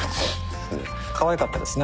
かわいかったですね